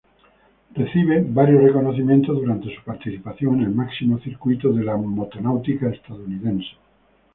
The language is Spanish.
Recibe varios reconocimientos durante su participación en el máximo circuito de la motonáutica estadounidense.